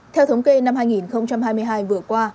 theo thống kê năm hai nghìn hai mươi hai vừa qua